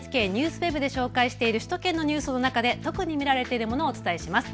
ＮＨＫＮＥＷＳＷＥＢで紹介している首都圏のニュースの中で特に見られているものをお伝えします。